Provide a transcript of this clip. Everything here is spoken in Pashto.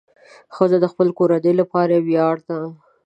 ښځه د خپل کورنۍ لپاره ویاړ ده.